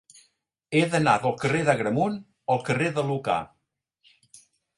He d'anar del carrer d'Agramunt al carrer de Lucà.